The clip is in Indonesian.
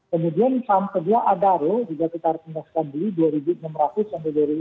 kemudian saham kedua adaro juga kita rekomendasikan beli dua ribu enam ratus sampai dua ribu enam ratus tujuh puluh